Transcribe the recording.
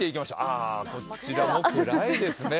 ああ、こちらも暗いですね。